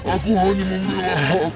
aku hanya mengalah aku